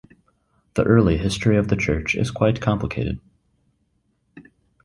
The early history of the church is quite complicated.